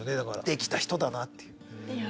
できた人だなって。